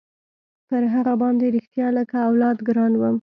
پر هغه باندې رښتيا لكه اولاد ګران وم.